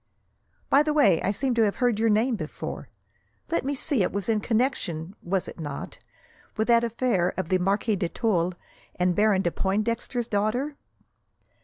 "By the way, I seem to have heard your name before. Let me see, it was in connection, was it not, with that affair of the Marquis de Tulle and Baron de Pointdexter's daughter?"